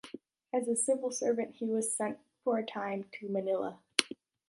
As a civil servant, he was sent for a time to Manila.